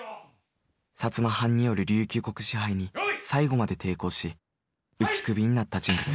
摩藩による琉球国支配に最後まで抵抗し打ち首になった人物。